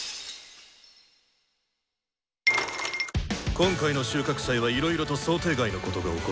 今回の収穫祭はいろいろと想定外のことが起こったな。